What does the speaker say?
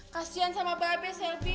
kasian sama mbak be selby